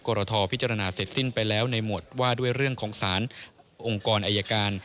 รทพิจารณาเสร็จสิ้นไปแล้วในหมวดว่าด้วยเรื่องของสารองค์กรอายการ